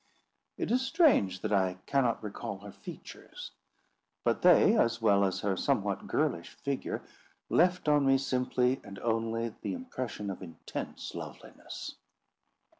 It is strange that I cannot recall her features; but they, as well as her somewhat girlish figure, left on me simply and only the impression of intense loveliness.